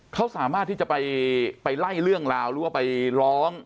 เขาสามารถที่จะไปไล่เรื่องราวหรือว่าไปร้อง